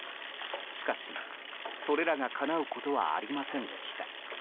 しかし、それらがかなうことはありませんでした。